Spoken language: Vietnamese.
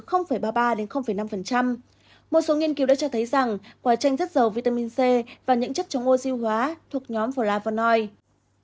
một số nghiên cứu đã cho thấy rằng quả tranh rất giàu vitamin c và những chất chống oxy hóa thuộc nhóm vlavonoice